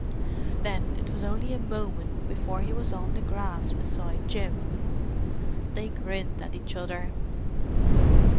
Then it was only a moment before he was on the grass beside Jim. They grinned at each other.